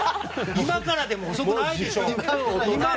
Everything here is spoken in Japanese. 今からでも遅くないでしょ！